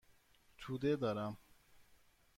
توده دارم.